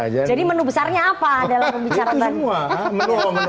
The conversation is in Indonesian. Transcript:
jadi menu besarnya apa dalam pembicaraan tadi